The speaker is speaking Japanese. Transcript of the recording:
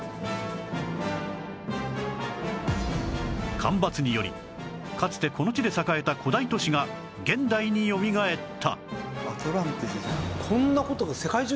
干ばつによりかつてこの地で栄えた古代都市が現代によみがえった